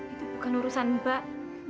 itu bukan urusan mbak